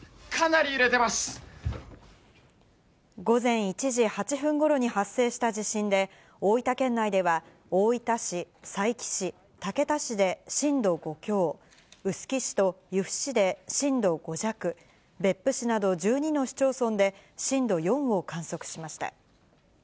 午前１時８分ごろに発生した地震で、大分県内では大分市、佐伯市、竹田市で震度５強、臼杵市と由布市で震度５弱、別府市など１２の市町村で震度４を観測しました。